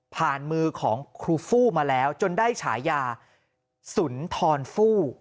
มือของครูฟู้มาแล้วจนได้ฉายาสุนทรฟู่